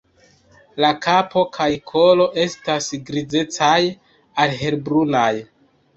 La kapo kaj kolo estas grizecaj al helbrunaj.